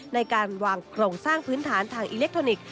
ในการวางโครงสร้างพื้นฐานทางอิเล็กทรอนิกส์